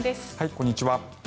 こんにちは。